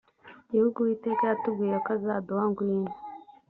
gihugu uwiteka yatubwiye ko azaduha ngwino